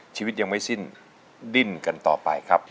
ชีวิตยังไม่สิ้นดิ้นกันต่อไปครับ